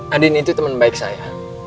andien itu temen baik saya